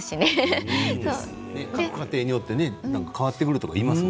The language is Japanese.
家庭によって変わってくると思います